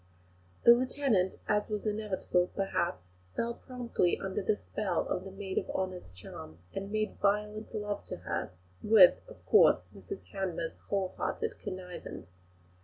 The lieutenant, as was inevitable, perhaps, fell promptly under the spell of the maid of honour's charms, and made violent love to her, with, of course, Mrs Hanmer's whole hearted connivance.